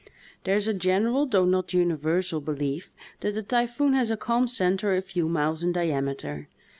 There is a general, though not universal, belief that the typhoon has a calm center a few miles in diameter.